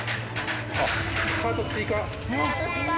あっカート追加。